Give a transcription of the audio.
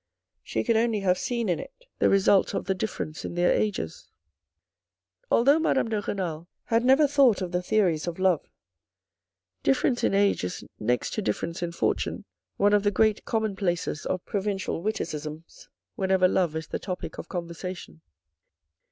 She could only have seen in it the result of the difference in their ages. Although Madame de Renal had never thought of the theories of love, difference in age is next to difference in fortune, one of the great commonplaces of provincial witticisms, whenever love is the topic of conversation.